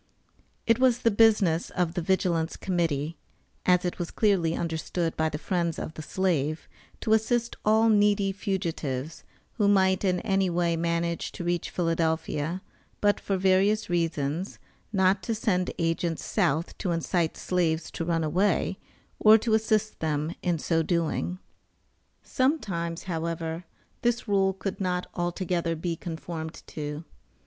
It was the business of the Vigilance Committee, as it was clearly understood by the friends of the Slave, to assist all needy fugitives, who might in any way manage to reach Philadelphia, but, for various reasons, not to send agents South to incite slaves to run away, or to assist them in so doing. Sometimes, however, this rule could not altogether be conformed to.